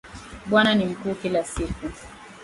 Bwana ni mkuu kila siku